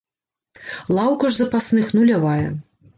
Лаўка ж запасных нулявая.